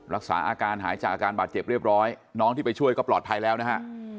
รักษาอาการหายจากอาการบาดเจ็บเรียบร้อยน้องที่ไปช่วยก็ปลอดภัยแล้วนะฮะ